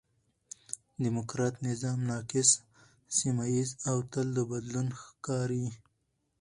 ډيموکراټ نظام ناقص، سمیه ييز او تل د بدلون ښکار یي.